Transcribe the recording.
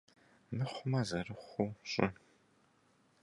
Мыхъумэ зэрыхъуу щӏы.